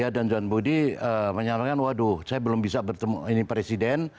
dan johan budi menyampaikan waduh saya belum bisa bertemu ini presiden